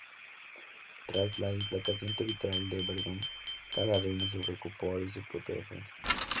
Tras la dislocación territorial de Verdún, cada reino se preocupó de su propia defensa.